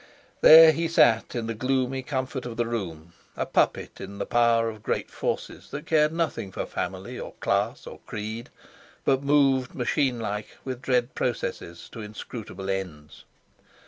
There he sat in the gloomy comfort of the room, a puppet in the power of great forces that cared nothing for family or class or creed, but moved, machine like, with dread processes to inscrutable ends.